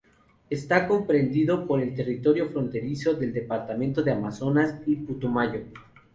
Está comprendido por el territorio fronterizo del departamento de Amazonas y Putumayo.